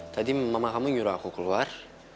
tadi mama kamu nyuruh aku keluar